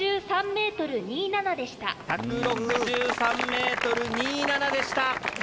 １６３．２７ｍでした。